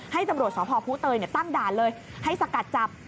ให้ตำรวจสหพวิเชียนบุรีตั้งด่านเลยให้สกัดจับ